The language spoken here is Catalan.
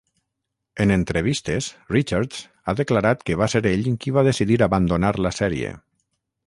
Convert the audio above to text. En entrevistes, Richards ha declarat que va ser ell qui va decidir abandonar la sèrie.